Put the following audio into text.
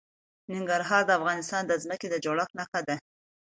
ننګرهار د افغانستان د ځمکې د جوړښت نښه ده.